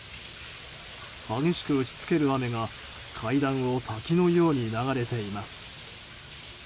激しく打ち付ける雨が階段を滝のように流れています。